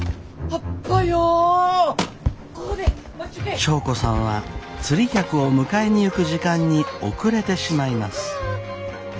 祥子さんは釣り客を迎えに行く時間に遅れてしまいます。